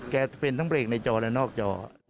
จะเป็นทั้งเบรกในจอและนอกจอ